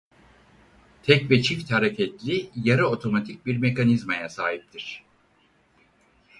Tek ve çift hareketli yarı otomatik bir mekanizmaya sahiptir.